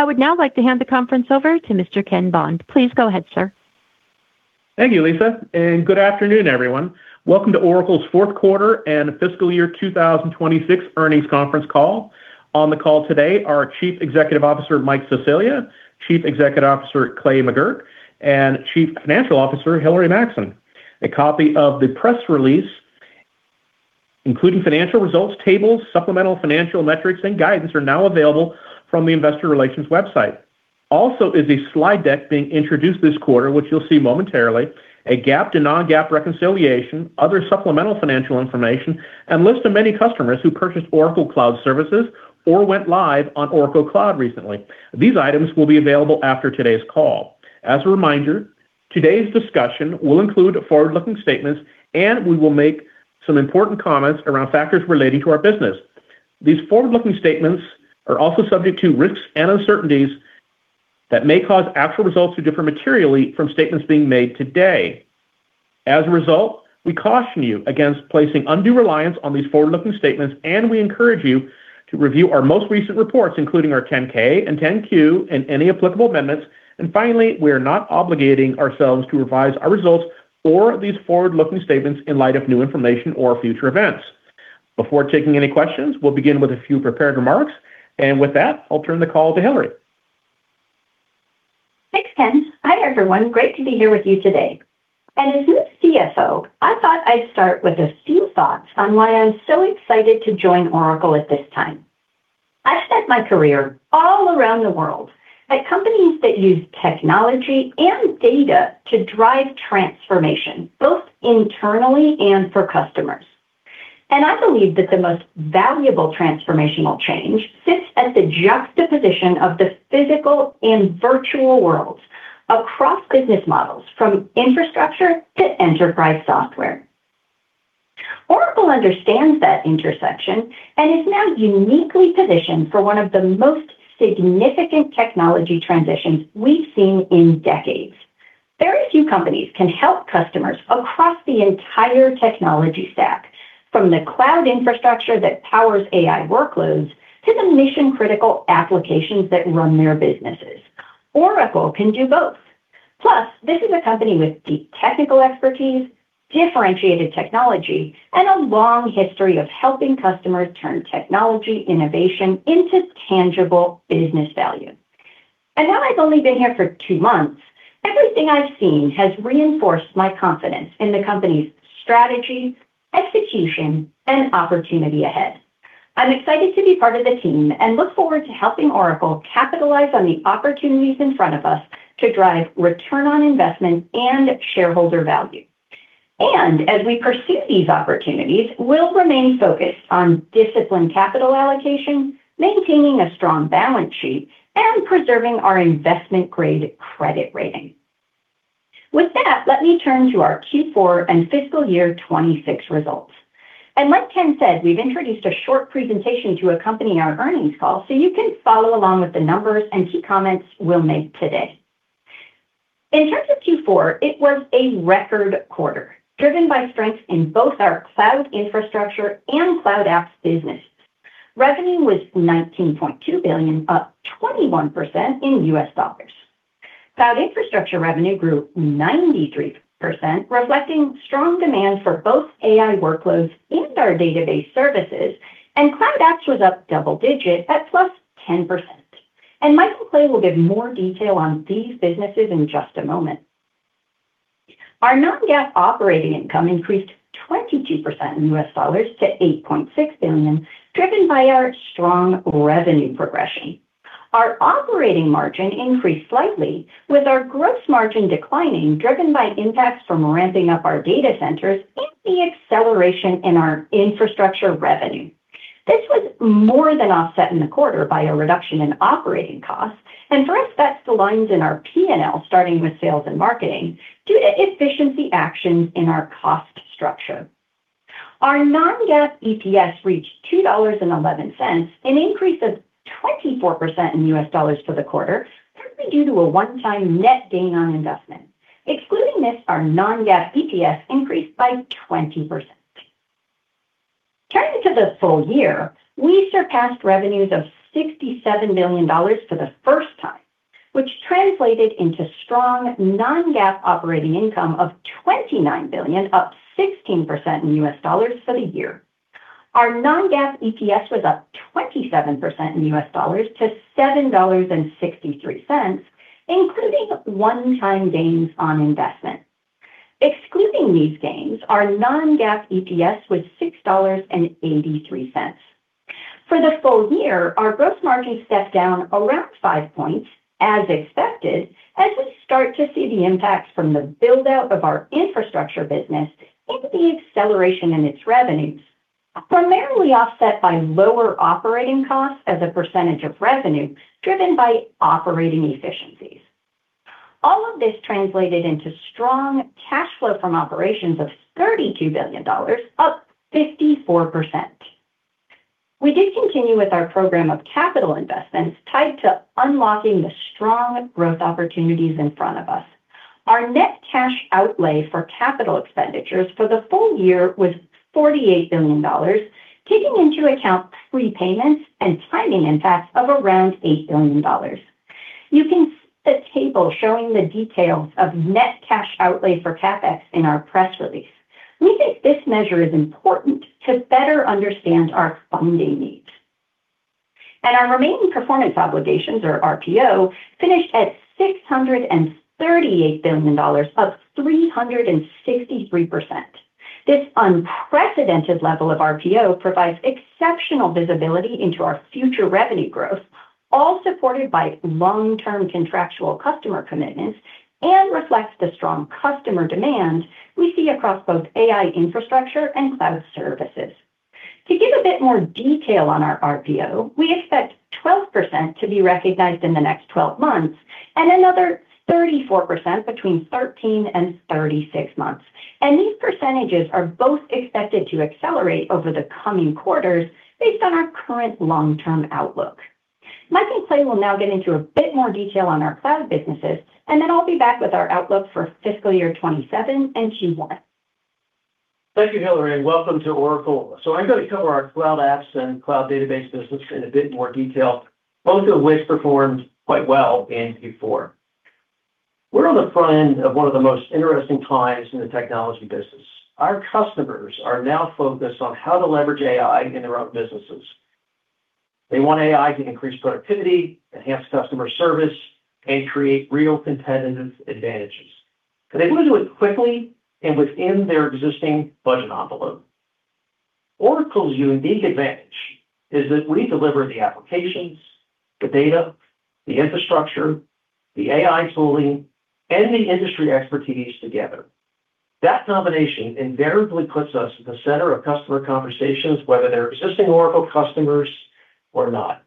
I would now like to hand the conference over to Mr. Ken Bond. Please go ahead, sir. Thank you Lisa, good afternoon, everyone. Welcome to Oracle's fourth quarter and fiscal year 2026 earnings conference call. On the call today are Chief Executive Officer, Mike Sicilia, Chief Executive Officer, Clay Magouyrk, and Chief Financial Officer, Hilary Maxson. A copy of the press release, including financial results tables, supplemental financial metrics, and guidance are now available from the investor relations website. Also is a slide deck being introduced this quarter, which you'll see momentarily, a GAAP to non-GAAP reconciliation, other supplemental financial information, and lists of many customers who purchased Oracle Cloud services or went live on Oracle Cloud recently. These items will be available after today's call. As a reminder, today's discussion will include forward-looking statements, we will make some important comments around factors relating to our business. These forward-looking statements are also subject to risks and uncertainties that may cause actual results to differ materially from statements being made today. As a result, we caution you against placing undue reliance on these forward-looking statements, we encourage you to review our most recent reports, including our 10-K and 10-Q and any applicable amendments. Finally, we are not obligating ourselves to revise our results or these forward-looking statements in light of new information or future events. Before taking any questions, we'll begin with a few prepared remarks. With that, I'll turn the call to Hilary. Thanks Ken. Hi, everyone. Great to be here with you today. As new CFO, I thought I'd start with a few thoughts on why I'm so excited to join Oracle at this time. I've spent my career all around the world at companies that use technology and data to drive transformation, both internally and for customers. I believe that the most valuable transformational change sits at the juxtaposition of the physical and virtual worlds across business models, from infrastructure to enterprise software. Oracle understands that intersection is now uniquely positioned for one of the most significant technology transitions we've seen in decades. Very few companies can help customers across the entire technology stack, from the cloud infrastructure that powers AI workloads to the mission-critical applications that run their businesses. Oracle can do both. This is a company with deep technical expertise, differentiated technology, and a long history of helping customers turn technology innovation into tangible business value. While I've only been here for two months, everything I've seen has reinforced my confidence in the company's strategy, execution, and opportunity ahead. I'm excited to be part of the team and look forward to helping Oracle capitalize on the opportunities in front of us to drive return on investment and shareholder value. As we pursue these opportunities, we'll remain focused on disciplined capital allocation, maintaining a strong balance sheet, and preserving our investment-grade credit rating. With that, let me turn to our Q4 and fiscal year 2026 results. Like Ken said, we've introduced a short presentation to accompany our earnings call so you can follow along with the numbers and key comments we'll make today. In terms of Q4, it was a record quarter, driven by strength in both our cloud infrastructure and cloud apps businesses. Revenue was $19.2 billion, up 21% in US dollars. Cloud infrastructure revenue grew 93%, reflecting strong demand for both AI workloads and our database services, and cloud apps was up double digits at +10%. Mike and Clay will give more detail on these businesses in just a moment. Our non-GAAP operating income increased 22% in US dollars to $8.6 billion, driven by our strong revenue progression. Our operating margin increased slightly, with our gross margin declining, driven by impacts from ramping up our data centers and the acceleration in our infrastructure revenue. This was more than offset in the quarter by a reduction in operating costs, for us, that's the lines in our P&L, starting with sales and marketing, due to efficiency actions in our cost structure. Our non-GAAP EPS reached $2.11, an increase of 24% in US dollars for the quarter, partly due to a one-time net gain on investment. Excluding this, our non-GAAP EPS increased by 20%. Turning to the full year, we surpassed revenues of $67 billion for the first time, which translated into strong non-GAAP operating income of $29 billion, up 16% in US dollars for the year. Our non-GAAP EPS was up 27% in US dollars to $7.63, including one-time gains on investment. Excluding these gains, our non-GAAP EPS was $6.83. For the full year, our gross margin stepped down around five points, as expected, as we start to see the impacts from the build-out of our infrastructure business and the acceleration in its revenues, primarily offset by lower operating costs as a percentage of revenue, driven by operating efficiencies. All of this translated into strong cash flow from operations of $32 billion, up 54%. We did continue with our program of capital investments tied to unlocking the strong growth opportunities in front of us. Our net cash outlay for capital expenditures for the full year was $48 billion, taking into account prepayments and timing impacts of around $8 billion. You can see the table showing the details of net cash outlay for CapEx in our press release. We think this measure is important to better understand our funding needs. Our remaining performance obligations, or RPO, finished at $638 billion, up 363%. This unprecedented level of RPO provides exceptional visibility into our future revenue growth, all supported by long-term contractual customer commitments, and reflects the strong customer demand we see across both AI infrastructure and cloud services. To give a bit more detail on our RPO, we expect 12% to be recognized in the next 12 months, and another 34% between 13 and 36 months. These percentages are both expected to accelerate over the coming quarters based on our current long-term outlook. Mike and Clay will now get into a bit more detail on our cloud businesses, and then I'll be back with our outlook for fiscal year 2027 and Q1. Thank you Hilary, and welcome to Oracle. I'm going to cover our Cloud Apps and Cloud Database business in a bit more detail, both of which performed quite well in Q4. We're on the front end of one of the most interesting times in the technology business. Our customers are now focused on how to leverage AI in their own businesses. They want AI to increase productivity, enhance customer service, and create real competitive advantages. They want to do it quickly and within their existing budget envelope. Oracle's unique advantage is that we deliver the applications, the data, the infrastructure, the AI tooling, and the industry expertise together. That combination invariably puts us at the center of customer conversations, whether they're existing Oracle customers or not.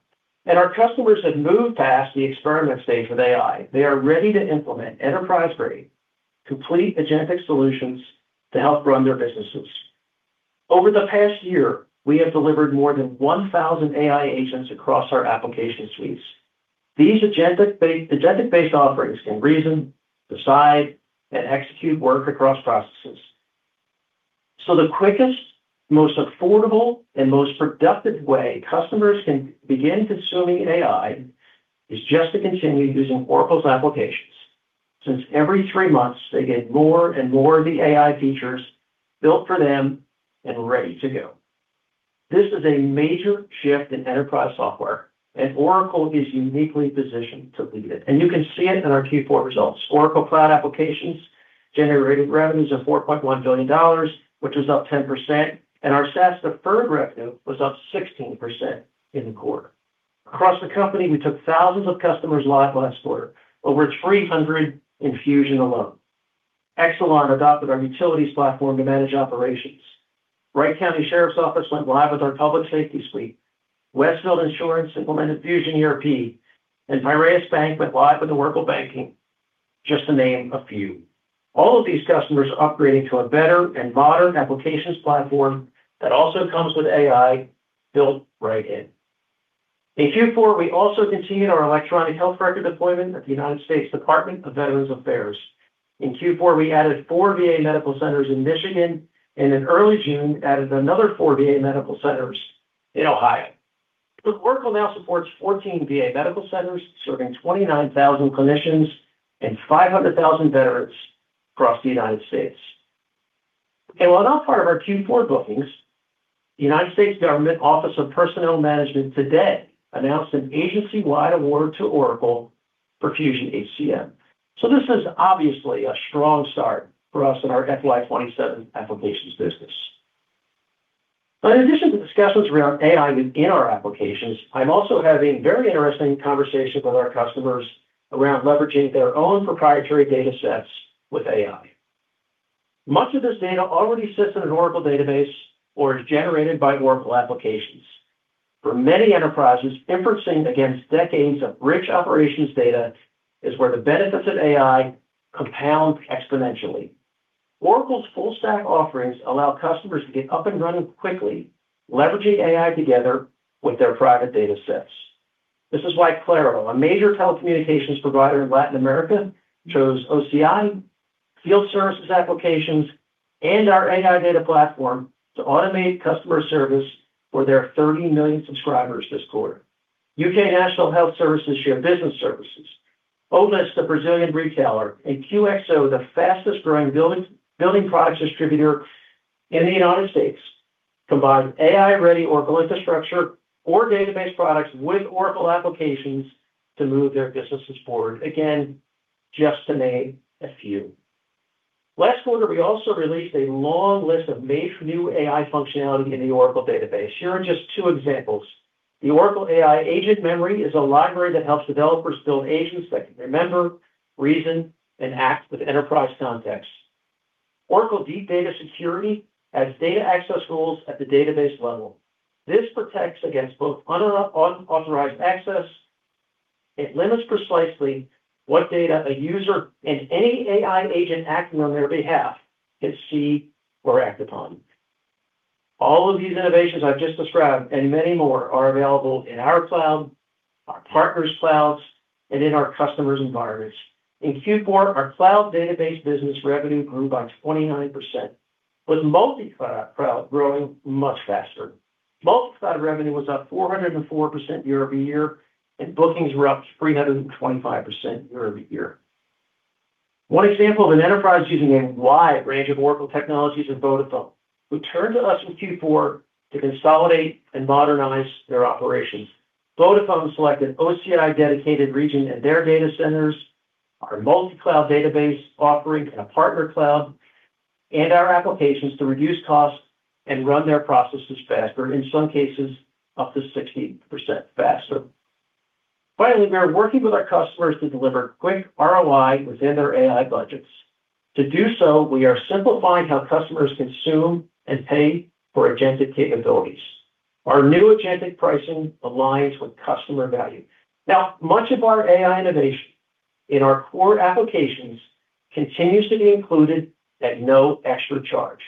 Our customers have moved past the experiment stage with AI. They are ready to implement enterprise-grade, complete agentic solutions to help run their businesses. Over the past year, we have delivered more than 1,000 AI agents across our application suites. These agentic-based offerings can reason, decide, and execute work across processes. The quickest, most affordable, and most productive way customers can begin consuming AI is just to continue using Oracle's applications, since every three months, they get more and more of the AI features built for them and ready to go. This is a major shift in enterprise software, and Oracle is uniquely positioned to lead it. You can see it in our Q4 results. Oracle Cloud Applications generated revenues of $4.1 billion, which was up 10%, and our SaaS deferred revenue was up 16% in the quarter. Across the company, we took thousands of customers live last quarter, over 300 in Fusion alone. Exelon adopted our utilities platform to manage operations. Wright County Sheriff's Office went live with our Public Safety Suite. Westfield Insurance implemented Fusion ERP, and Piraeus Bank went live with Oracle Banking, just to name a few. All of these customers are upgrading to a better and modern applications platform that also comes with AI built right in. In Q4, we also continued our electronic health record deployment at the U.S. Department of Veterans Affairs. In Q4, we added four VA medical centers in Michigan, and in early June, added another four VA medical centers in Ohio. Oracle now supports 14 VA medical centers, serving 29,000 clinicians and 500,000 veterans across the United States. While not part of our Q4 bookings, the United States Office of Personnel Management today announced an agency-wide award to Oracle for Fusion HCM. This is obviously a strong start for us in our FY 2027 applications business. In addition to discussions around AI within our applications, I am also having very interesting conversations with our customers around leveraging their own proprietary datasets with AI. Much of this data already sits in an Oracle Database or is generated by Oracle applications. For many enterprises, inferencing against decades of rich operations data is where the benefits of AI compound exponentially. Oracle's full stack offerings allow customers to get up and running quickly, leveraging AI together with their private datasets. This is why Claro, a major telecommunications provider in Latin America, chose OCI, Field Services applications, and our Oracle AI Data Platform to automate customer service for their 30 million subscribers this quarter. UK National Health Service Shared Business Services. Oldest the Brazilian retailer, and QXO, the fastest growing building products distributor in the United States, combined AI-ready Oracle infrastructure or database products with Oracle applications to move their businesses forward. Again, just to name a few. Last quarter, we also released a long list of major new AI functionality in the Oracle Database. Here are just two examples. The Oracle AI Agent Memory is a library that helps developers build agents that can remember, reason, and act with enterprise context. Oracle Deep Data Security adds data access rules at the database level. This protects against both unauthorized access. It limits precisely what data a user and any AI agent acting on their behalf can see or act upon. All of these innovations I've just described and many more are available in our cloud, our partners' clouds, and in our customers' environments. In Q4, our cloud database business revenue grew by 29%, with multi-cloud growing much faster. Multi-cloud revenue was up 404% year-over-year, and bookings were up 325% year-over-year. One example of an enterprise using a wide range of Oracle technologies is Vodafone, who turned to us in Q4 to consolidate and modernize their operations. Vodafone selected OCI Dedicated Region in their data centers, our multi-cloud database offering in a partner cloud, and our applications to reduce costs and run their processes faster, in some cases up to 60% faster. Finally, we are working with our customers to deliver quick ROI within their AI budgets. To do so, we are simplifying how customers consume and pay for agentic capabilities. Our new agentic pricing aligns with customer value. Much of our AI innovation in our core applications continues to be included at no extra charge.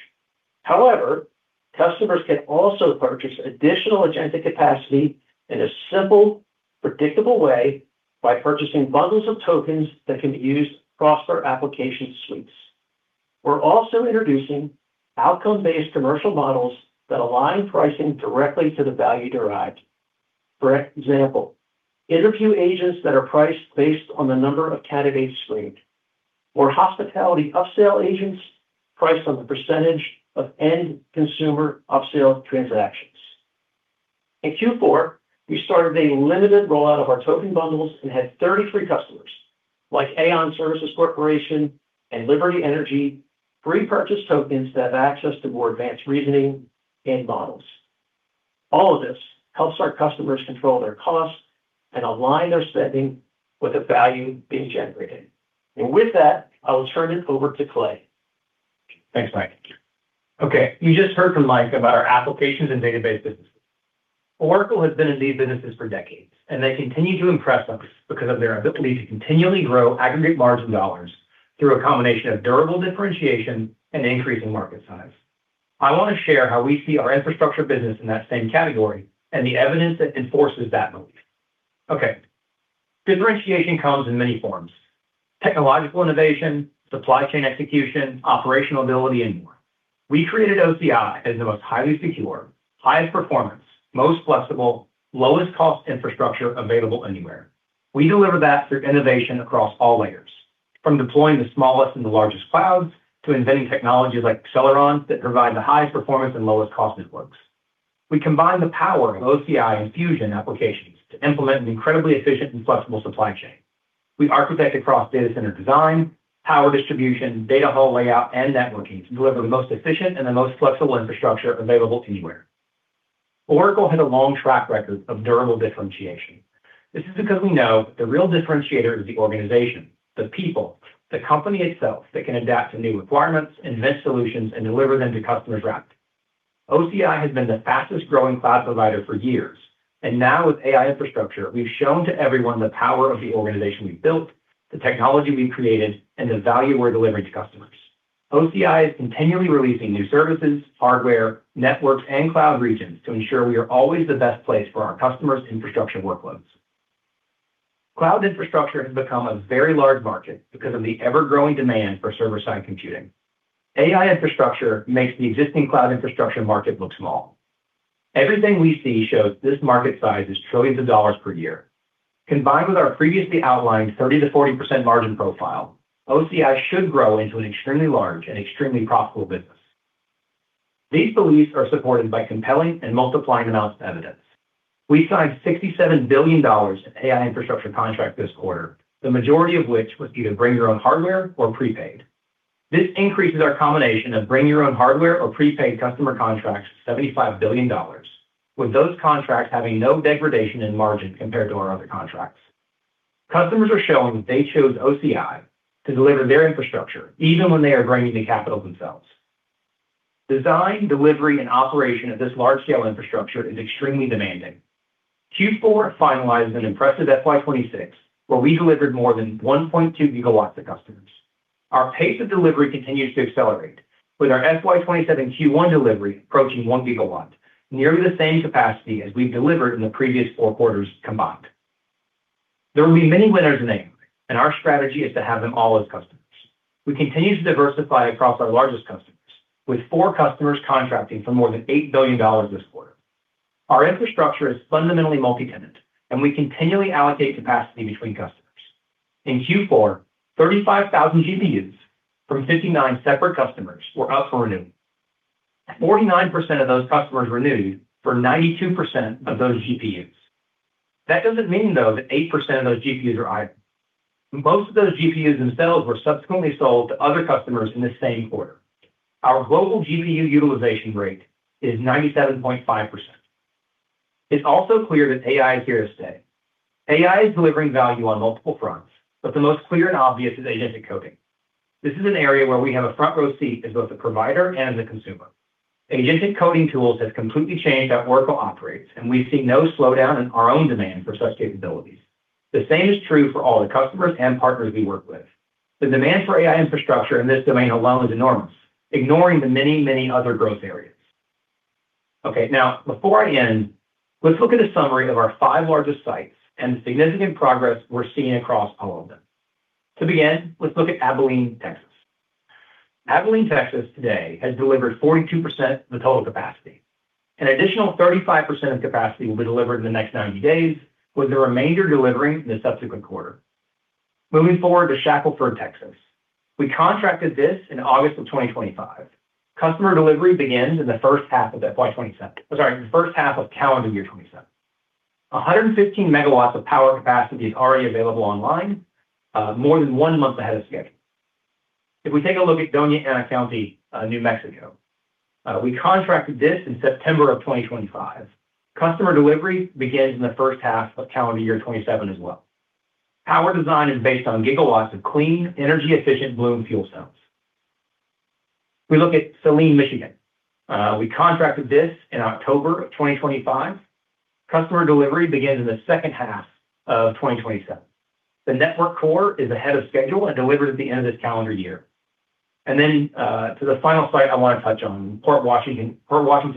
Customers can also purchase additional agentic capacity in a simple, predictable way by purchasing bundles of tokens that can be used across our application suites. We're also introducing outcome-based commercial models that align pricing directly to the value derived. For example, interview agents that are priced based on the number of candidates screened, or hospitality upsell agents priced on the percentage of end consumer upsell transactions. In Q4, we started a limited rollout of our token bundles and had 33 customers, like Aon Services Corporation and Liberty Energy, pre-purchase tokens that have access to more advanced reasoning and models. All of this helps our customers control their costs and align their spending with the value being generated. With that, I will turn it over to Clay. Thanks Mike. You just heard from Mike about our applications and database businesses. Oracle has been in these businesses for decades, they continue to impress us because of their ability to continually grow aggregate margin dollars through a combination of durable differentiation and increase in market size. I want to share how we see our infrastructure business in that same category and the evidence that enforces that belief. Differentiation comes in many forms, technological innovation, supply chain execution, operational ability, and more. We created OCI as the most highly secure, highest performance, most flexible, lowest cost infrastructure available anywhere. We deliver that through innovation across all layers, from deploying the smallest and the largest clouds, to inventing technologies like Accelerons that provide the highest performance and lowest cost networks. We combine the power of OCI and Fusion applications to implement an incredibly efficient and flexible supply chain. We architect across data center design, power distribution, data hall layout, and networking to deliver the most efficient and the most flexible infrastructure available anywhere. Oracle has a long track record of durable differentiation. This is because we know the real differentiator is the organization, the people, the company itself that can adapt to new requirements, invent solutions, and deliver them to customers rapidly. OCI has been the fastest-growing cloud provider for years. Now with AI infrastructure, we've shown to everyone the power of the organization we've built, the technology we've created, and the value we're delivering to customers. OCI is continually releasing new services, hardware, networks, and cloud regions to ensure we are always the best place for our customers' infrastructure workloads. Cloud infrastructure has become a very large market because of the ever-growing demand for server-side computing. AI infrastructure makes the existing cloud infrastructure market look small. Everything we see shows this market size is $trillions per year. Combined with our previously outlined 30%-40% margin profile, OCI should grow into an extremely large and extremely profitable business. These beliefs are supported by compelling and multiplying amounts of evidence. We signed $67 billion in AI infrastructure contracts this quarter, the majority of which was either bring your own hardware or prepaid. This increases our combination of bring your own hardware or prepaid customer contracts to $75 billion, with those contracts having no degradation in margin compared to our other contracts. Customers are showing they chose OCI to deliver their infrastructure, even when they are bringing the capital themselves. Design, delivery, and operation of this large-scale infrastructure is extremely demanding. Q4 finalizes an impressive FY 2026, where we delivered more than 1.2 GW to customers. Our pace of delivery continues to accelerate, with our FY 2027 Q1 delivery approaching 1 GW, nearly the same capacity as we've delivered in the previous four quarters combined. There will be many winners named, our strategy is to have them all as customers. We continue to diversify across our largest customers, with four customers contracting for more than $8 billion this quarter. Our infrastructure is fundamentally multi-tenant, we continually allocate capacity between customers. In Q4, 35,000 GPUs from 59 separate customers were up for renewal. 49% of those customers renewed for 92% of those GPUs. That doesn't mean, though, that 8% of those GPUs are idle. Most of those GPUs themselves were subsequently sold to other customers in the same quarter. Our global GPU utilization rate is 97.5%. It's also clear that AI is here to stay. AI is delivering value on multiple fronts, but the most clear and obvious is agentic coding. This is an area where we have a front-row seat as both the provider and the consumer. Agentic coding tools have completely changed how Oracle operates, and we see no slowdown in our own demand for such capabilities. The same is true for all the customers and partners we work with. The demand for AI infrastructure in this domain alone is enormous, ignoring the many, many other growth areas. Okay. Now, before I end, let's look at a summary of our five largest sites and the significant progress we're seeing across all of them. To begin, let's look at Abilene, Texas. Abilene, Texas today has delivered 42% of the total capacity. An additional 35% of capacity will be delivered in the next 90 days, with the remainder delivering in the subsequent quarter. Moving forward to Shackelford, Texas. We contracted this in August of 2025. Customer delivery begins in the first half of calendar year 2027. 115 MW of power capacity is already available online, more than one month ahead of schedule. If we take a look at Doña Ana County, New Mexico. We contracted this in September of 2025. Customer delivery begins in the first half of calendar year 2027 as well. Power design is based on gigawatts of clean, energy-efficient Bloom fuel cells. We look at Saline, Michigan. We contracted this in October of 2025. Customer delivery begins in the second half of 2027. The network core is ahead of schedule and delivered at the end of this calendar year. To the final site I want to touch on, Port Washington,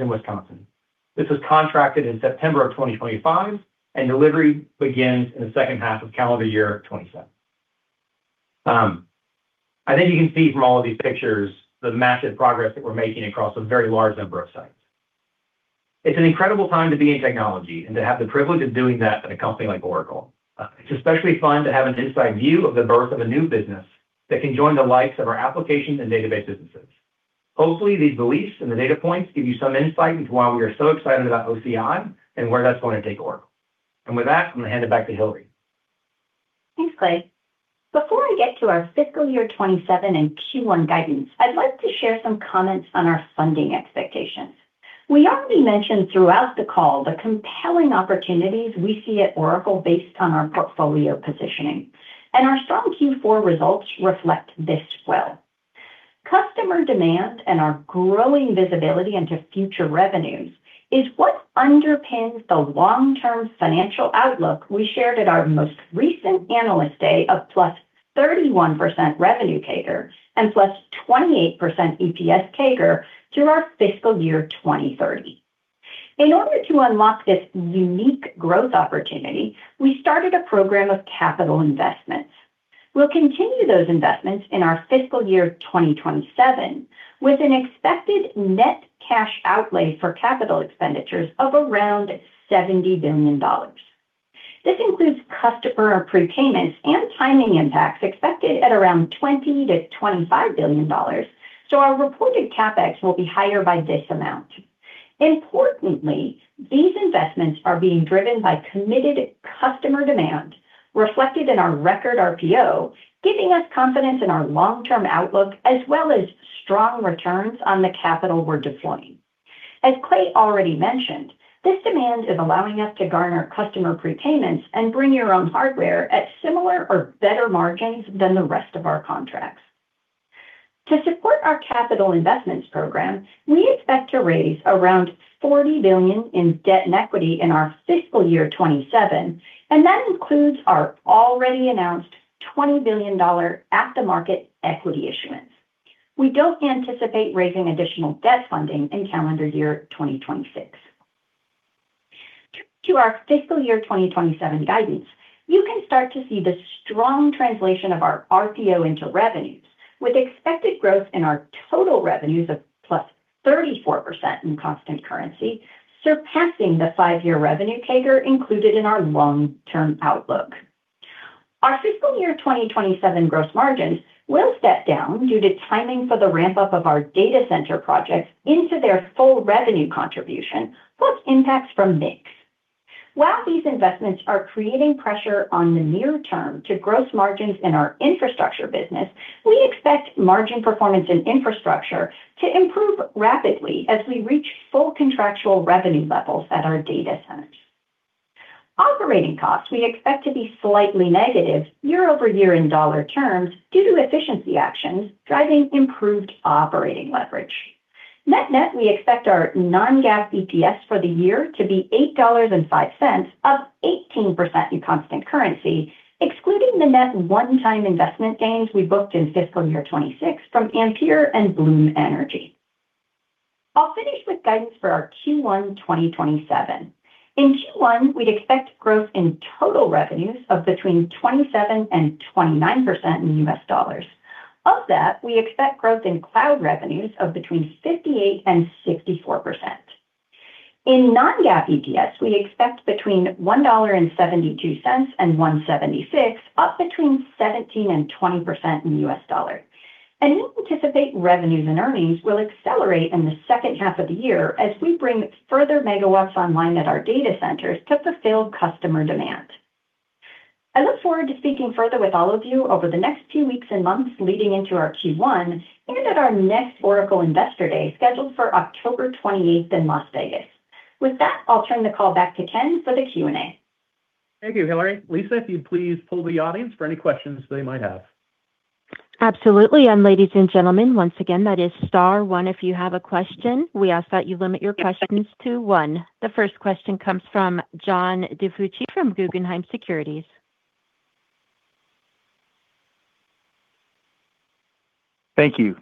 Wisconsin. This was contracted in September of 2025, and delivery begins in the second half of calendar year 2027. I think you can see from all of these pictures the massive progress that we're making across a very large number of sites. It's an incredible time to be in technology and to have the privilege of doing that at a company like Oracle. It's especially fun to have an inside view of the birth of a new business that can join the likes of our application and database businesses. Hopefully, these beliefs and the data points give you some insight into why we are so excited about OCI and where that's going to take Oracle. With that, I'm going to hand it back to Hilary. Thanks Clay. Before I get to our fiscal year 2027 and Q1 guidance, I'd like to share some comments on our funding expectations. We already mentioned throughout the call the compelling opportunities we see at Oracle based on our portfolio positioning. Our strong Q4 results reflect this well. Customer demand and our growing visibility into future revenues is what underpins the long-term financial outlook we shared at our most recent Analyst Day of plus 31% revenue CAGR and plus 28% EPS CAGR through our fiscal year 2030. In order to unlock this unique growth opportunity, we started a program of capital investments. We'll continue those investments in our fiscal year 2027, with an expected net cash outlay for capital expenditures of around $70 billion. This includes customer prepayments and timing impacts expected at around $20 billion-$25 billion, so our reported CapEx will be higher by this amount. Importantly, these investments are being driven by committed customer demand reflected in our record RPO, giving us confidence in our long-term outlook, as well as strong returns on the capital we're deploying. As Clay already mentioned, this demand is allowing us to garner customer prepayments and bring your own hardware at similar or better margins than the rest of our contracts. To support our capital investments program, we expect to raise around $40 billion in debt and equity in our fiscal year 2027. That includes our already announced $20 billion at-the-market equity issuance. We don't anticipate raising additional debt funding in calendar year 2026. To our fiscal year 2027 guidance, you can start to see the strong translation of our RPO into revenues, with expected growth in our total revenues of +34% in constant currency, surpassing the five-year revenue CAGR included in our long-term outlook. Our fiscal year 2027 gross margins will step down due to timing for the ramp-up of our data center projects into their full revenue contribution, plus impacts from mix. While these investments are creating pressure on the near term to gross margins in our infrastructure business, we expect margin performance in infrastructure to improve rapidly as we reach full contractual revenue levels at our data centers. Operating costs we expect to be slightly negative year-over-year in dollar terms due to efficiency actions driving improved operating leverage. Net-net, we expect our non-GAAP EPS for the year to be $8.05, up 18% in constant currency, excluding the net one-time investment gains we booked in fiscal year 2026 from Ampere and Bloom Energy. I'll finish with guidance for our Q1 2027. In Q1, we'd expect growth in total revenues of between 27% and 29% in US dollars. Of that, we expect growth in cloud revenues of between 58% and 64%. In non-GAAP EPS, we expect between $1.72 and $1.76, up between 17% and 20% in US dollars. We anticipate revenues and earnings will accelerate in the second half of the year as we bring further megawatts online at our data centers to fulfill customer demand. I look forward to speaking further with all of you over the next few weeks and months leading into our Q1 and at our next Oracle Investor Day, scheduled for October 28th in Las Vegas. With that, I'll turn the call back to Ken for the Q&A. Thank you, Hilary. Lisa, if you'd please poll the audience for any questions they might have. Absolutely. Ladies and gentlemen, once again, that is star one if you have a question. We ask that you limit your questions to one. The first question comes from John DiFucci from Guggenheim Securities. Thank you.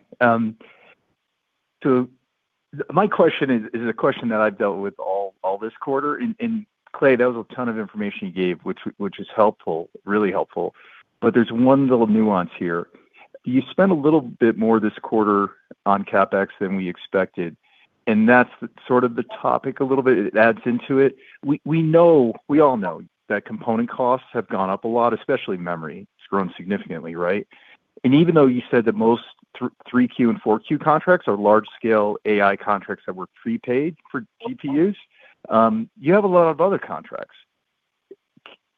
My question is a question that I've dealt with all this quarter. Clay, that was a ton of information you gave, which is helpful, really helpful. There's one little nuance here. You spent a little bit more this quarter on CapEx than we expected, and that's sort of the topic a little bit, it adds into it. We all know that component costs have gone up a lot, especially memory. It's grown significantly, right? Even though you said that most 3Q and 4Q contracts are large-scale AI contracts that were prepaid for GPUs, you have a lot of other contracts.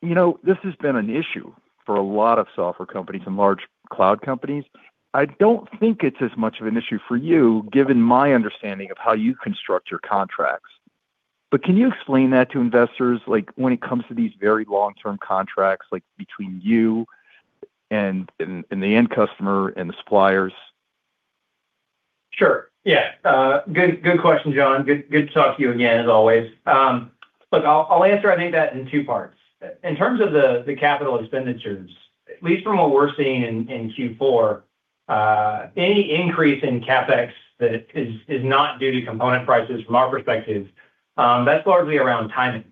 This has been an issue for a lot of software companies and large cloud companies. I don't think it's as much of an issue for you, given my understanding of how you construct your contracts. Can you explain that to investors, like when it comes to these very long-term contracts, like between you and the end customer and the suppliers? Sure. Yeah. Good question, John. Good to talk to you again, as always. Look, I'll answer, I think, that in two parts. In terms of the capital expenditures, at least from what we're seeing in Q4, any increase in CapEx that is not due to component prices from our perspective, that's largely around timing.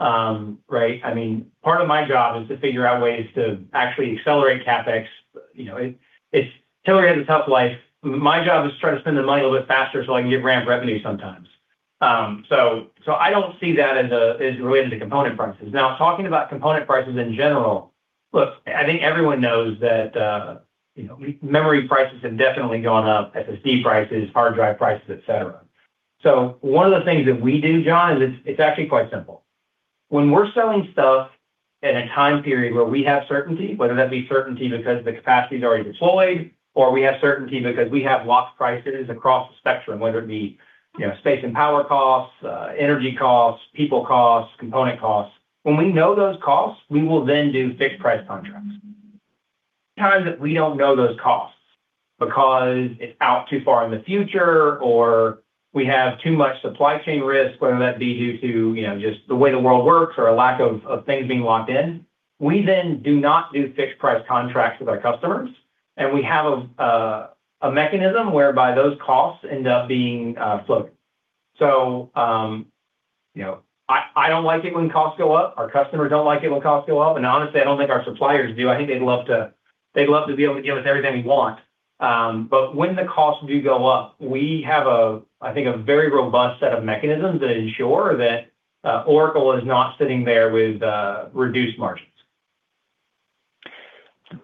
Right? Part of my job is to figure out ways to actually accelerate CapEx. Hilary has a tough life. My job is to try to spend the money a little bit faster so I can get ramped revenue sometimes. I don't see that as related to component prices. Now, talking about component prices in general, look, I think everyone knows that memory prices have definitely gone up, SSD prices, hard drive prices, et cetera. One of the things that we do, John, is it's actually quite simple. When we're selling stuff at a time period where we have certainty, whether that be certainty because the capacity's already deployed, or we have certainty because we have locked prices across the spectrum, whether it be space and power costs, energy costs, people costs, component costs. When we know those costs, we will then do fixed price contracts. Times that we don't know those costs because it's out too far in the future, or we have too much supply chain risk, whether that be due to just the way the world works or a lack of things being locked in, we then do not do fixed price contracts with our customers. We have a mechanism whereby those costs end up being floating. I don't like it when costs go up. Our customers don't like it when costs go up, and honestly, I don't think our suppliers do. I think they'd love to be able to give us everything we want. When the costs do go up, we have, I think, a very robust set of mechanisms to ensure that Oracle is not sitting there with reduced margins.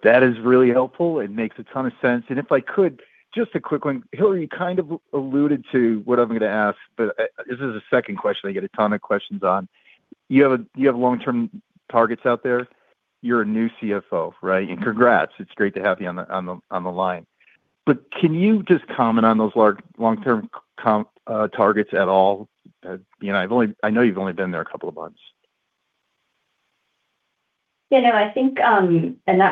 That is really helpful. It makes a ton of sense. If I could, just a quick one. Hilary, you kind of alluded to what I'm going to ask, but this is the second question I get a ton of questions on. You have long-term targets out there. You're a new CFO, right? Congrats, it's great to have you on the line. Can you just comment on those long-term targets at all? I know you've only been there a couple of months. Yeah, that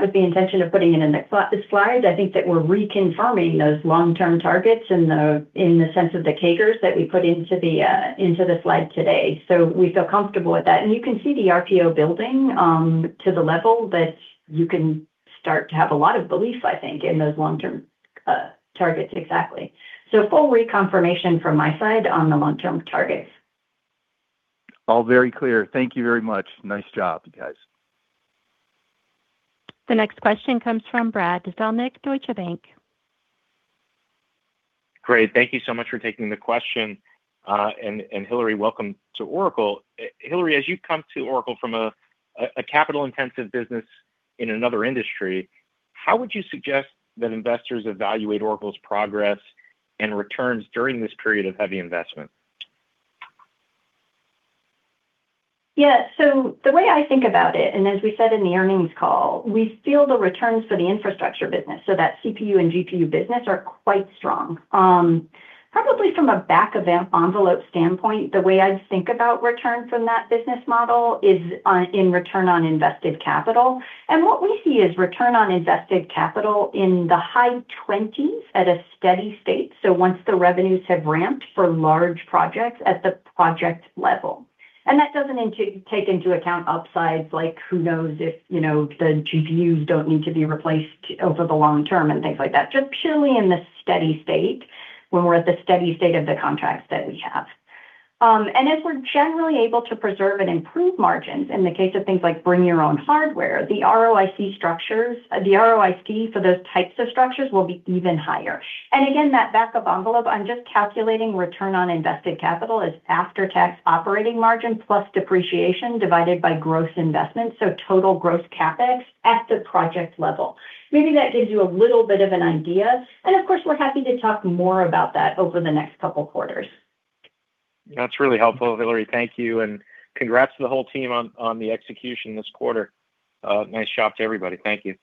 was the intention of putting it in the slides. I think that we're reconfirming those long-term targets in the sense of the CAGRs that we put into the slide today. We feel comfortable with that. You can see the RPO building to the level that you can start to have a lot of belief, I think, in those long-term targets. Exactly. Full reconfirmation from my side on the long-term targets. All very clear. Thank you very much. Nice job, you guys. The next question comes from Brad Zelnick, Deutsche Bank. Great. Thank you so much for taking the question. Hilary, welcome to Oracle. Hilary, as you come to Oracle from a capital-intensive business in another industry, how would you suggest that investors evaluate Oracle's progress and returns during this period of heavy investment? Yeah. The way I think about it, as we said in the earnings call, we feel the returns for the infrastructure business, that CPU and GPU business, are quite strong. Probably from a back-of-envelope standpoint, the way I'd think about return from that business model is in return on invested capital. What we see is return on invested capital in the high 20s at a steady state, once the revenues have ramped for large projects at the project level. That doesn't take into account upsides like who knows if the GPUs don't need to be replaced over the long term and things like that. Just purely in the steady state, when we're at the steady state of the contracts that we have. As we're generally able to preserve and improve margins in the case of things like bring your own hardware, the ROIC for those types of structures will be even higher. Again, that back of envelope, I'm just calculating return on invested capital as after-tax operating margin plus depreciation divided by gross investment, so total gross CapEx at the project level. Maybe that gives you a little bit of an idea. Of course, we're happy to talk more about that over the next couple quarters. That's really helpful, Hilary. Thank you, and congrats to the whole team on the execution this quarter. Nice job to everybody. Thank you.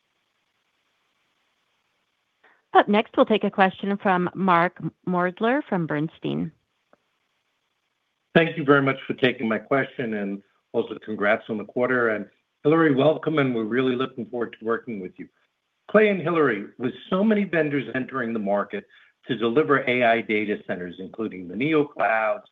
Up next, we'll take a question from Mark Moerdler from Bernstein. Thank you very much for taking my question, and also congrats on the quarter. Hilary, welcome, and we're really looking forward to working with you. Clay and Hilary, with so many vendors entering the market to deliver AI data centers, including the Neocloud,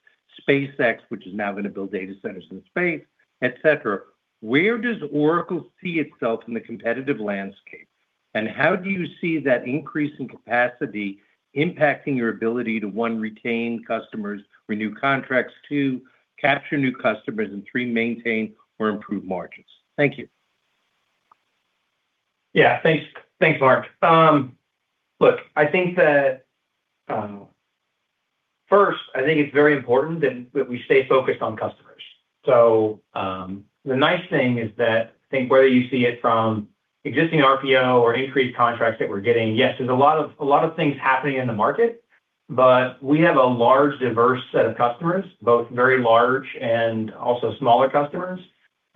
SpaceX, which is now going to build data centers in space, etc.. Where does Oracle see itself in the competitive landscape, and how do you see that increase in capacity impacting your ability to, one, retain customers, renew contracts, two, capture new customers, and three, maintain or improve margins? Thank you. Yeah. Thanks Mark. Look, first, I think it's very important that we stay focused on customers. The nice thing is that I think whether you see it from existing RPO or increased contracts that we're getting, yes, there's a lot of things happening in the market, but we have a large, diverse set of customers, both very large and also smaller customers.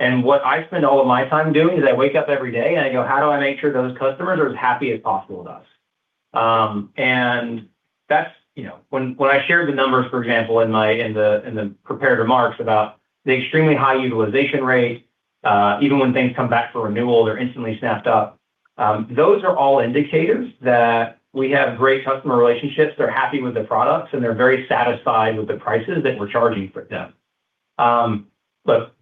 What I spend all of my time doing is I wake up every day and I go, "How do I make sure those customers are as happy as possible with us?" When I shared the numbers, for example, in the prepared remarks about the extremely high utilization rate, even when things come back for renewal, they're instantly snapped up. Those are all indicators that we have great customer relationships, they're happy with the products, and they're very satisfied with the prices that we're charging for them. Look,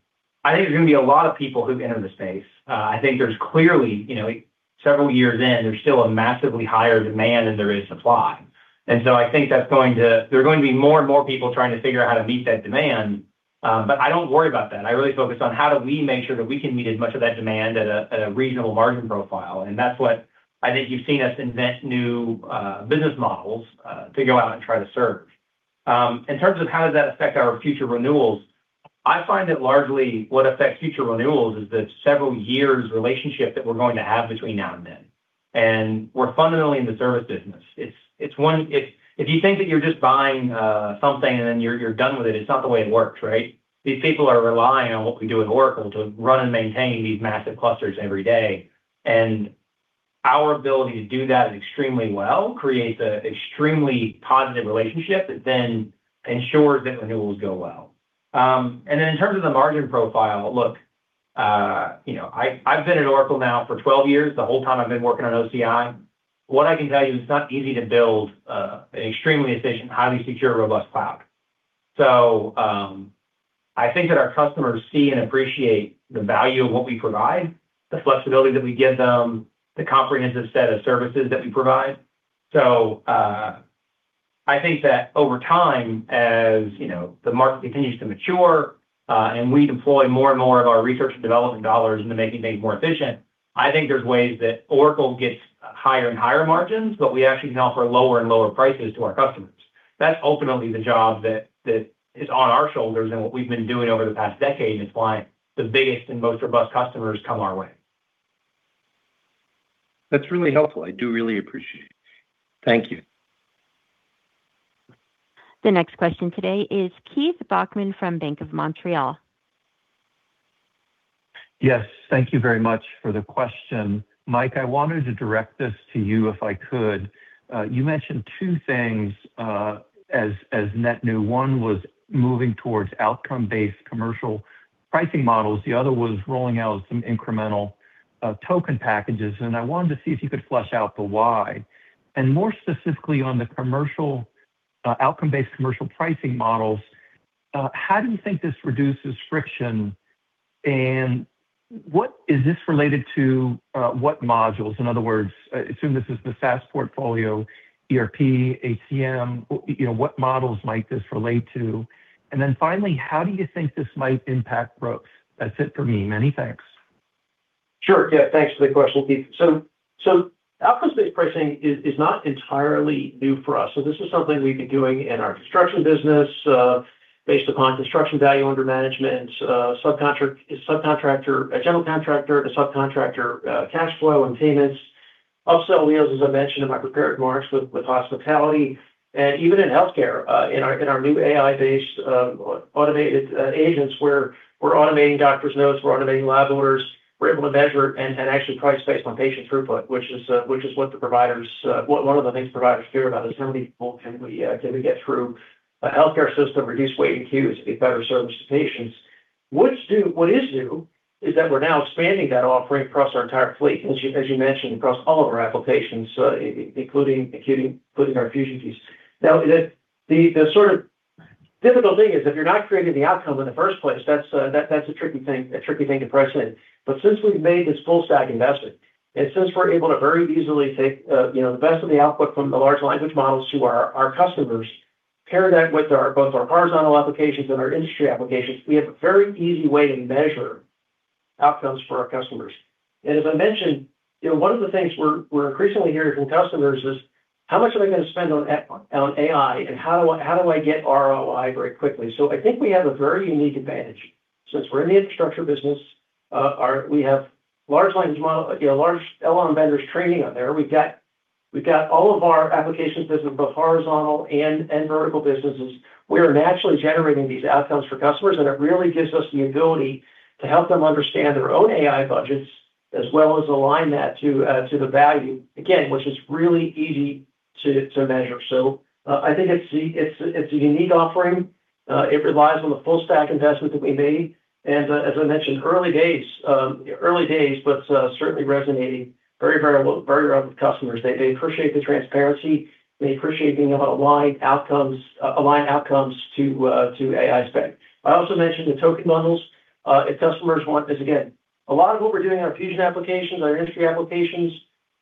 I think there's going to be a lot of people who enter the space. I think there's clearly, several years in, there's still a massively higher demand than there is supply. I think there are going to be more and more people trying to figure out how to meet that demand. I don't worry about that. I really focus on how do we make sure that we can meet as much of that demand at a reasonable margin profile. That's what I think you've seen us invent new business models, to go out and try to serve. In terms of how does that affect our future renewals, I find that largely what affects future renewals is the several years relationship that we're going to have between now and then. We're fundamentally in the service business. If you think that you're just buying something and then you're done with it's not the way it works, right? These people are relying on what we do at Oracle to run and maintain these massive clusters every day. Our ability to do that extremely well creates a extremely positive relationship that then ensures that renewals go well. In terms of the margin profile, look, I've been at Oracle now for 12 years, the whole time I've been working on OCI. What I can tell you, it's not easy to build a extremely efficient, highly secure, robust cloud. I think that our customers see and appreciate the value of what we provide, the flexibility that we give them, the comprehensive set of services that we provide. I think that over time, as the market continues to mature, and we deploy more and more of our research and development dollars into making things more efficient, I think there's ways that Oracle gets higher and higher margins, but we actually can offer lower and lower prices to our customers. That's ultimately the job that is on our shoulders. What we've been doing over the past decade is why the biggest and most robust customers come our way. That's really helpful. I do really appreciate it. Thank you. The next question today is Keith Bachman from Bank of Montreal. Yes, thank you very much for the question. Mike, I wanted to direct this to you, if I could. You mentioned two things, as net new. One was moving towards outcome-based commercial pricing models. The other was rolling out some incremental token packages. I wanted to see if you could flesh out the why. More specifically on the outcome-based commercial pricing models, how do you think this reduces friction, and is this related to what modules? In other words, I assume this is the SaaS portfolio, ERP, HCM. What models might this relate to? Then finally, how do you think this might impact growth? That's it for me. Many thanks. Sure. Yeah. Thanks for the question, Keith. Outcomes-based pricing is not entirely new for us. This is something we've been doing in our construction business, based upon construction value under management, a general contractor, a subcontractor, cash flow and payments, upsell wheels, as I mentioned in my prepared remarks, with hospitality and even in healthcare, in our new AI-based, automated agents, we're automating doctors' notes, we're automating lab orders. We're able to measure and actually price based on patient throughput, which is one of the things providers fear about is how many people can we get through a healthcare system, reduce waiting queues, give better service to patients. What is new is that we're now expanding that offering across our entire fleet, as you mentioned, across all of our applications, including our Fusion piece. The sort of difficult thing is if you're not creating the outcome in the first place, that's a tricky thing to price in. Since we've made this full stack investment, and since we're able to very easily take the best of the output from the large language models to our customers, pair that with both our horizontal applications and our industry applications, we have a very easy way to measure outcomes for our customers. As I mentioned, one of the things we're increasingly hearing from customers is, "How much am I going to spend on AI, and how do I get ROI very quickly?" I think we have a very unique advantage. Since we're in the infrastructure business, we have large LLM vendors training on there. We've got all of our applications business, both horizontal and vertical businesses. We are naturally generating these outcomes for customers, and it really gives us the ability to help them understand their own AI budgets, as well as align that to the value, again, which is really easy to measure. I think it's a unique offering. It relies on the full stack investment that we made, and as I mentioned, early days, but certainly resonating very well with customers. They appreciate the transparency. They appreciate being able to align outcomes to AI spec. I also mentioned the token models. If customers want this, again, a lot of what we're doing in our Fusion applications, our industry applications,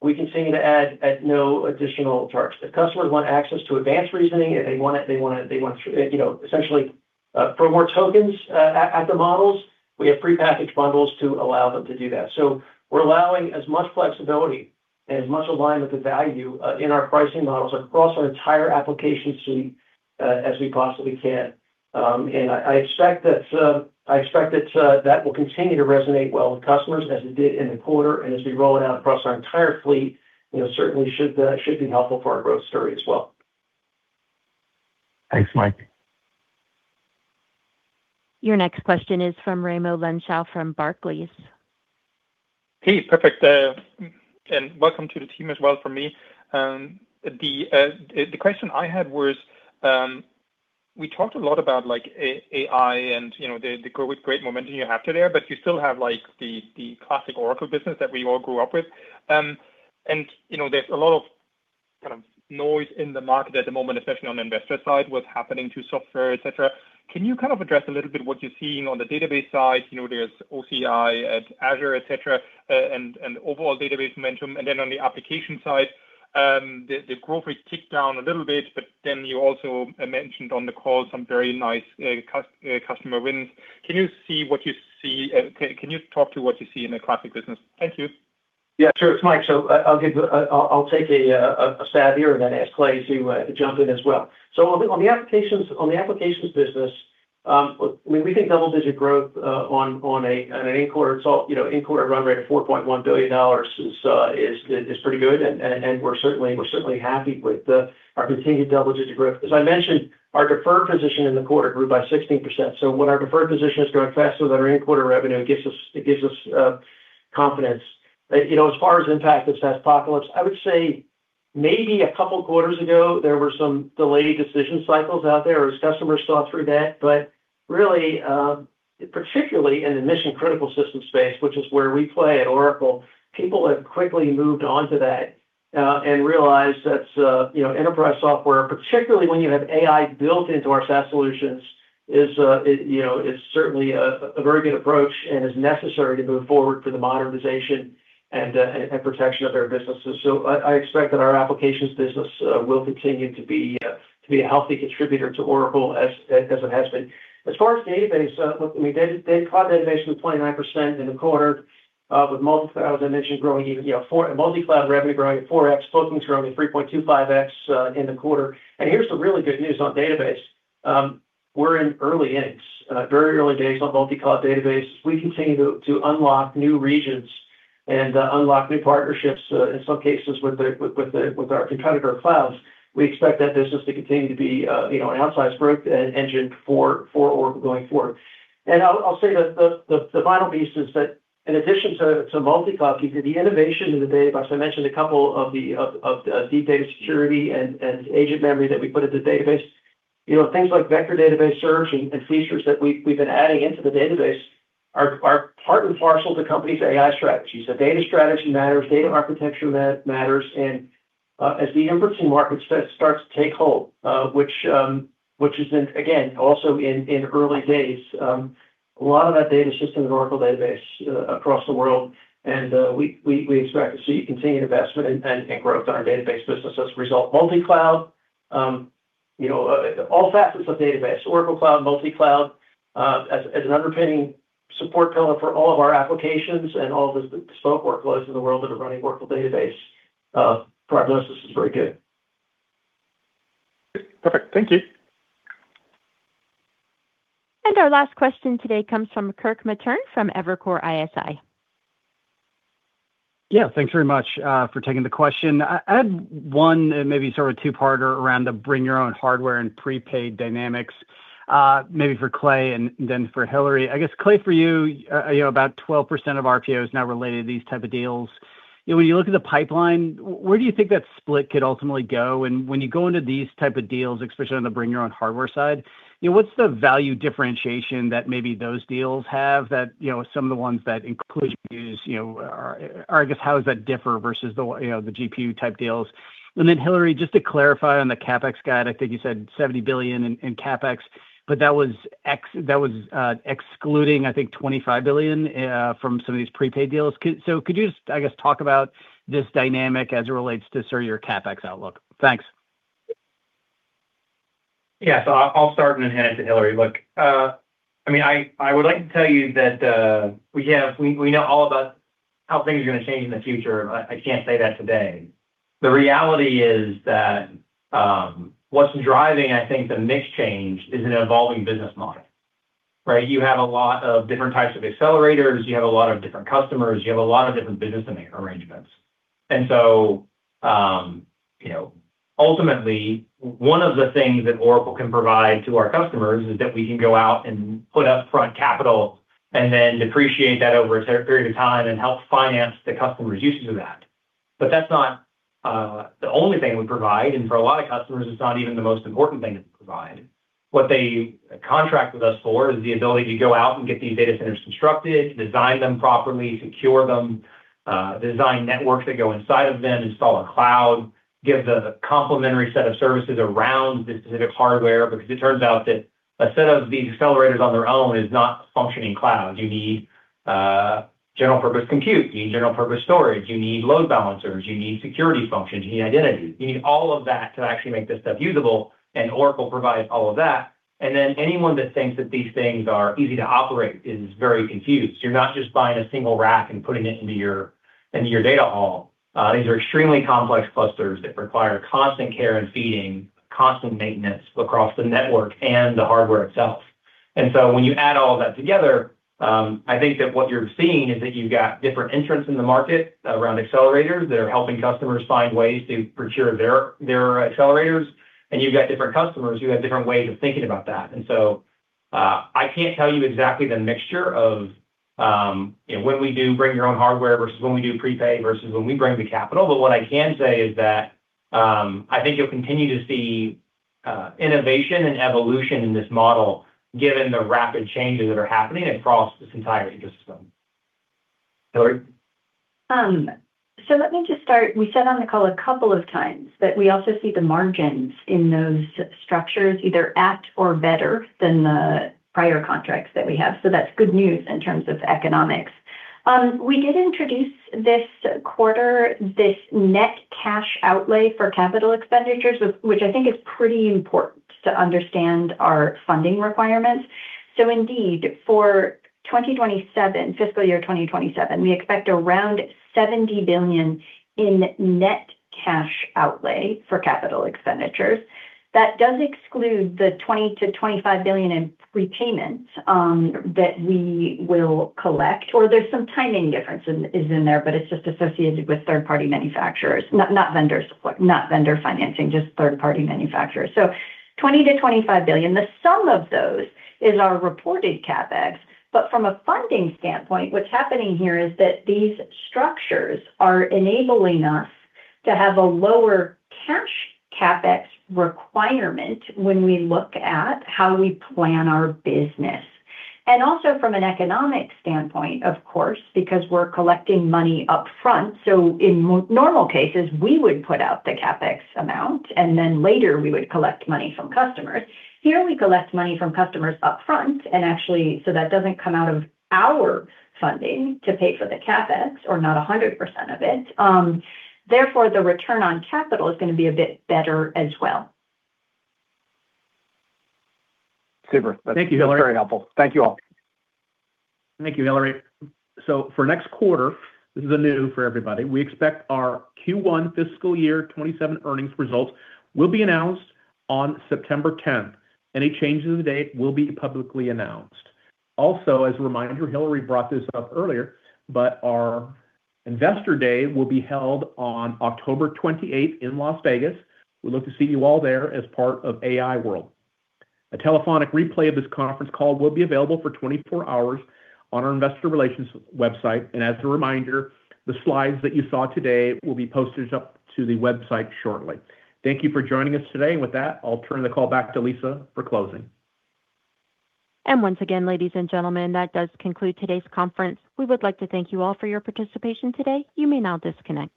we continue to add at no additional charge. If customers want access to advanced reasoning, if they want it, essentially, for more tokens at the models, we have prepackaged bundles to allow them to do that. We're allowing as much flexibility and as much alignment to value in our pricing models across our entire application suite as we possibly can. I expect that will continue to resonate well with customers as it did in the quarter, and as we roll it out across our entire fleet, certainly should be helpful for our growth story as well. Thanks Mike. Your next question is from Raimo Lenschow from Barclays. Hey, perfect. Welcome to the team as well from me. The question I had was, we talked a lot about AI and the growth, great momentum you have today, but you still have the classic Oracle business that we all grew up with. There's a lot of noise in the market at the moment, especially on the investor side, what's happening to software, et cetera. Can you address a little bit what you're seeing on the database side? There's OCI, Azure, et cetera, and overall database momentum. On the application side, the growth rate ticked down a little bit, but then you also mentioned on the call some very nice customer wins. Can you talk to what you see in the classic business? Thank you. Yeah, sure. It's Mike. I'll take a stab here and then ask Clay to jump in as well. On the applications business, we think double-digit growth on an in-quarter run rate of $4.1 billion is pretty good, and we're certainly happy with our continued double-digit growth. As I mentioned, our deferred position in the quarter grew by 16%. When our deferred position is growing faster than our in-quarter revenue, it gives us confidence. As far as impact of SaaS apocalypse, I would say maybe a couple quarters ago, there were some delayed decision cycles out there as customers thought through that. Really, particularly in the mission-critical system space, which is where we play at Oracle, people have quickly moved on to that, and realized that enterprise software, particularly when you have AI built into our SaaS solutions, is certainly a very good approach and is necessary to move forward for the modernization and protection of their businesses. I expect that our applications business will continue to be a healthy contributor to Oracle as it has been. As far as the database, look, they grew cloud database 29% in the quarter, with, as I mentioned, multi-cloud revenue growing at 4X, tokens growing 3.25X in the quarter. And here's the really good news on database. We're in early age, very early days on multi-cloud database. We continue to unlock new regions and unlock new partnerships, in some cases with our competitor clouds. We expect that business to continue to be an outsized growth engine for Oracle going forward. And I'll say the final piece is that in addition to multi-cloud, the innovation in the database, I mentioned a couple of the database security and Agent Memory that we put in the database. Things like vector database search and features that we've been adding into the database are part and parcel to companies' AI strategies. Data strategy matters, data architecture matters, and as the embracing market starts to take hold, which is in, again, also in early days, a lot of that data's just in an Oracle database across the world. And we expect to see continued investment and growth on our database business. As a result, multi-cloud, all facets of database, Oracle Cloud, multi-cloud, as an underpinning support pillar for all of our applications and all the bespoke workloads in the world that are running Oracle database. Prognosis is very good. Perfect. Thank you. Our last question today comes from Kirk Materne from Evercore ISI. Yeah. Thanks very much for taking the question. I had one, maybe sort of a two-parter around the bring your own hardware and prepaid dynamics, maybe for Clay and then for Hilary. I guess, Clay, for you, about 12% of RPO is now related to these type of deals. When you look at the pipeline, where do you think that split could ultimately go? When you go into these type of deals, especially on the bring your own hardware side, what's the value differentiation that maybe those deals have that some of the ones that include GPUs, or I guess, how does that differ versus the GPU-type deals? Hilary, just to clarify on the CapEx guide, I think you said $70 billion in CapEx, but that was excluding, I think, $25 billion from some of these prepaid deals. Could you just, I guess, talk about this dynamic as it relates to sort of your CapEx outlook? Thanks. Yeah. I'll start and then hand it to Hilary. Look, I would like to tell you that we know all about how things are going to change in the future. I can't say that today. The reality is that what's driving, I think, the mix change is an evolving business model. Right? You have a lot of different types of accelerators. You have a lot of different customers. You have a lot of different business arrangements. Ultimately, one of the things that Oracle can provide to our customers is that we can go out and put up front capital and then depreciate that over a period of time and help finance the customer's usage of that. That's not the only thing we provide, and for a lot of customers, it's not even the most important thing to provide. What they contract with us for is the ability to go out and get these data centers constructed, design them properly, secure them, design networks that go inside of them, install a cloud, give the complimentary set of services around the specific hardware, because it turns out that a set of these accelerators on their own is not a functioning cloud. You need general purpose compute, you need general purpose storage, you need load balancers, you need security functions, you need identity. You need all of that to actually make this stuff usable, and Oracle provides all of that. Anyone that thinks that these things are easy to operate is very confused. You're not just buying a single rack and putting it into your data hall. These are extremely complex clusters that require constant care and feeding, constant maintenance across the network and the hardware itself. When you add all that together, I think that what you're seeing is that you've got different entrants in the market around accelerators that are helping customers find ways to procure their accelerators. You've got different customers who have different ways of thinking about that. I can't tell you exactly the mixture of when we do bring your own hardware versus when we do prepay versus when we bring the capital. What I can say is that, I think you'll continue to see innovation and evolution in this model, given the rapid changes that are happening across this entire ecosystem. Hilary? Let me just start. We said on the call a couple of times that we also see the margins in those structures, either at or better than the prior contracts that we have. That's good news in terms of economics. We did introduce this quarter, this net cash outlay for capital expenditures, which I think is pretty important to understand our funding requirements. Indeed, for 2027, fiscal year 2027, we expect around $70 billion in net cash outlay for capital expenditures. That does exclude the $20 billion-$25 billion in repayments that we will collect, or there's some timing difference is in there, but it's just associated with third-party manufacturers. Not vendor financing, just third-party manufacturers. $20 billion-$25 billion. The sum of those is our reported CapEx. From a funding standpoint, what's happening here is that these structures are enabling us to have a lower cash CapEx requirement when we look at how we plan our business. Also from an economic standpoint, of course, because we're collecting money up front. In normal cases, we would put out the CapEx amount, and then later we would collect money from customers. Here, we collect money from customers up front, and actually, so that doesn't come out of our funding to pay for the CapEx or not 100% of it. Therefore, the return on capital is going to be a bit better as well. Thank you Hilary. That's very helpful. Thank you all. Thank you Hilary. For next quarter, this is new for everybody, we expect our Q1 fiscal year 2027 earnings results will be announced on September 10th. Any changes in the date will be publicly announced. Also, as a reminder, Hilary brought this up earlier, but our Investor Day will be held on October 28th in Las Vegas. We look to see you all there as part of AI World. A telephonic replay of this conference call will be available for 24 hours on our investor relations website. As a reminder, the slides that you saw today will be posted up to the website shortly. Thank you for joining us today. With that, I'll turn the call back to Lisa for closing. Once again, ladies and gentlemen, that does conclude today's conference. We would like to thank you all for your participation today. You may now disconnect.